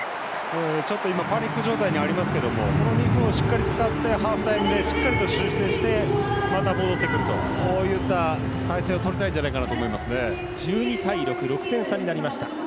ちょっと今、パニック状態にありますけどこの２分をしっかり使ってハーフタイムでしっかりと修正してまた戻ってくるといった態勢をとりたいんじゃないかと思いますね。